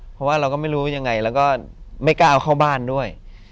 เพราะว่าเราก็ไม่รู้ยังไงแล้วก็ไม่กล้าเอาเข้าบ้านด้วย